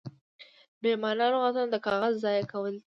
بې مانا لغتونه د کاغذ ضایع کول دي.